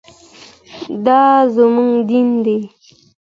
دا زموږ دین دی.